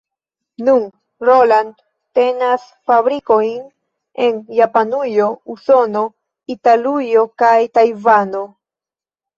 Nun Roland tenas fabrikojn en Japanujo, Usono, Italujo kaj Tajvano.